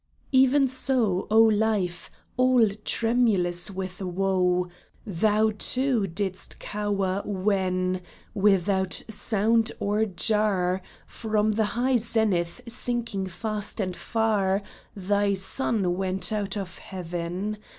Even so, O Life, all tremulous with woe, Thou too didst cower when, without sound or jar, From the high zenith sinking fast and far, Thy sun went out of heaven